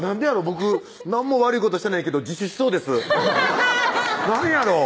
僕何も悪いことしてないんやけど自首しそうです何やろう？